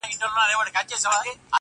زاړه دودونه اوس هم پاتې دي